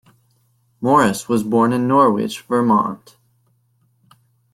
Morris was born in Norwich, Vermont.